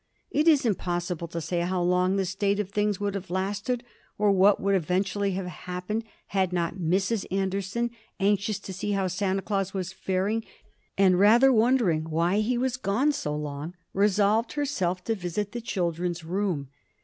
It is impossible to say how long this state of things would have lasted, or what would eventually have happened, had not Mrs. Anderson, anxious to see how Santa Claus was faring, and rather wondering why he was gone so long, resolved herself to visit the children's room.